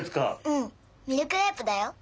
うんミルクレープだよ！